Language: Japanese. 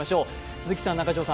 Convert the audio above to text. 鈴木さん、中条さん